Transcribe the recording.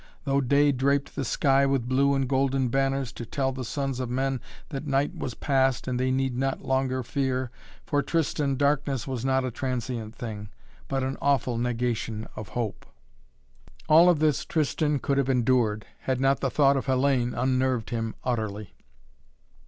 Though day draped the sky with blue and golden banners, to tell the sons of men that Night was past and they need not longer fear, for Tristan darkness was not a transient thing, but an awful negation of hope. All of this Tristan could have endured, had not the thought of Hellayne unnerved him utterly.